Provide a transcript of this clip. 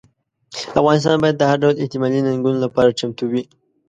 افغانستان باید د هر ډول احتمالي ننګونو لپاره چمتو وي.